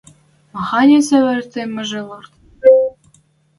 Маханьы цевер ти мыжырлан!